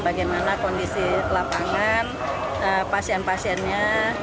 bagaimana kondisi lapangan pasien pasiennya